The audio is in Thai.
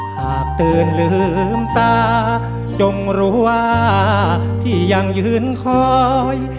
หากตื่นลืมตาจงรู้ว่าที่ยังยืนคอย